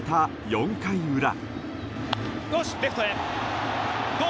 ４回裏。